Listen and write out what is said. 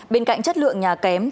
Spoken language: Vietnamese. bên cạnh chất lượng nhà kém